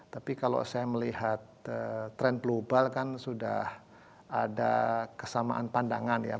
tapi kalau saya melihat tren global kan sudah ada kesamaan pandangan ya